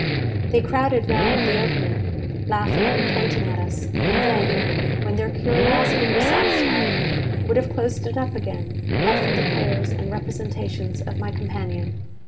They crowded round the opening, laughing and pointing at us; and then, when their curiosity was satisfied, would have closed it up again, but for the prayers and representations of my companion.